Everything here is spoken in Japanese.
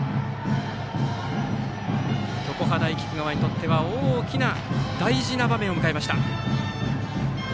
常葉大菊川にとっては大きな、大事な場面を迎えました。